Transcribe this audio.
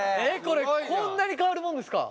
これこんなに変わるもんですか？